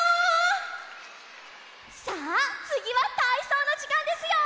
さあつぎはたいそうのじかんですよ！